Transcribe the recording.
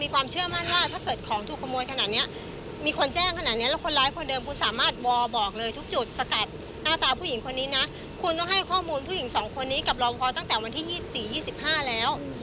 คุณต้องให้ข้อมูลผู้หญิงสองคนนี้กับรอพอตั้งแต่วันที่๒๔๒๕แล้ว